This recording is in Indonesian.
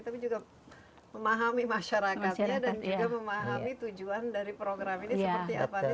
tapi juga memahami masyarakatnya dan juga memahami tujuan dari program ini seperti apa